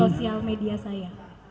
di dalam sosial media saya